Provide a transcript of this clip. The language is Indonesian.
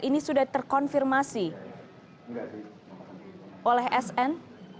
ini sudah terkonfirmasi oleh sn